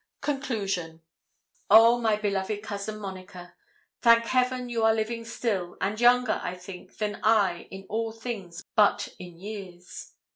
CONCLUSION Oh, my beloved cousin Monica! Thank Heaven, you are living still, and younger, I think, than I in all things but in years.